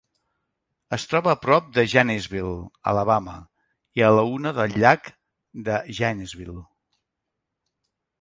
Es troba a prop de Gainesville, Alabama, i a l'una del llac de Gainesville.